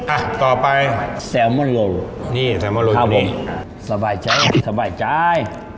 อ่ะต่อไปแซลมอนลงนี่แซลมอนโลครับผมสบายใจสบายใจ